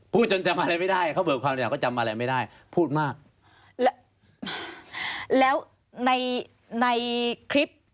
พูดจนจำอะไรไม่ได้เขาเบิกความรู้จักก็จำอะไรไม่ได้พูดมาก